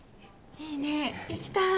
いいね行きたい。